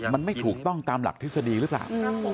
มันไม่ถูกต้องตามหลักทฤษฎีหรือเปล่า